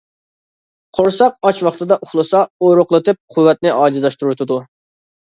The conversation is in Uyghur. قورساق ئاچ ۋاقتىدا ئۇخلىسا ئورۇقلىتىپ قۇۋۋەتنى ئاجىزلاشتۇرۇۋېتىدۇ.